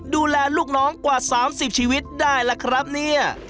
ดูแลลูกน้องกว่า๓๐ชีวิตได้ล่ะครับเนี่ย